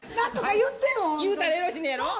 言うたらよろしいのやろ。